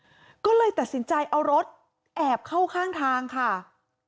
ผู้โดยศาลทุกคนก็ต้องหนีตายลงจากรถเราก็จะได้ยินเสียงปืนดังขึ้นอีกนัตว์